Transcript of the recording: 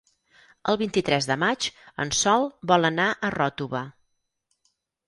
El vint-i-tres de maig en Sol vol anar a Ròtova.